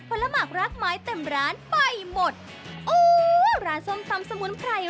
ละหมากรากไม้เต็มร้านไปหมดโอ้ร้านส้มตำสมุนไพร